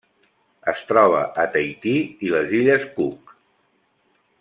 Es troba a Tahití i les illes Cook.